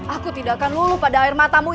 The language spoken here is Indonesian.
aku tidak akan lulu pada ayahmu